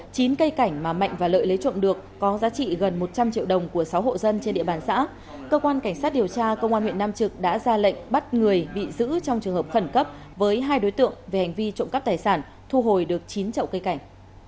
chín cây cảnh mà mạnh và lợi lấy trộm được có giá trị gần một trăm linh triệu đồng của sáu hộ dân trên địa bàn xã cơ quan cảnh sát điều tra công an huyện nam trực đã ra lệnh bắt người bị giữ trong trường hợp khẩn cấp với hai đối tượng về hành vi trộm cắp tài sản thu hồi được chín chậu cây cảnh